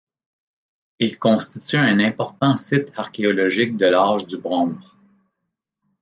Il constitue un important site archéologique de l'âge du bronze.